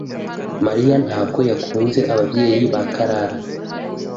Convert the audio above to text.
Mariya ntabwo yakunze ababyeyi ba Karara.